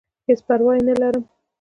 هېڅ پرواه ئې نۀ لرم -